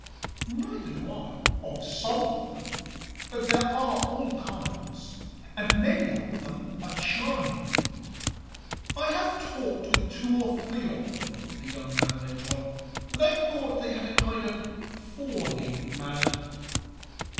"Neither do I of some of them. But there are all kinds, and many of them are charming." "I have talked with two or three of them," the young man went on, "and I thought they had a kind of fawning manner."